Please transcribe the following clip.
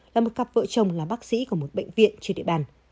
là một cặp vợ chồng là bác sĩ của một bệnh viện trên địa bàn